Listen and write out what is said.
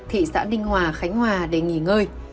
thị xã ninh hòa khánh hòa để nghỉ ngơi